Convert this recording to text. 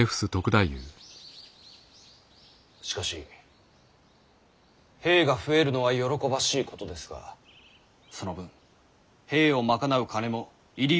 しかし兵が増えるのは喜ばしいことですがその分兵を賄う金も入り用になると存じます。